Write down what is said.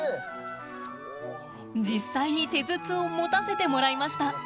実際に手筒を持たせてもらいました。